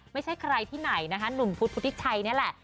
ไม่ใช่ใครที่ไหนนะคะหนุ่มพุทธพุทธิชัยนี่แหละ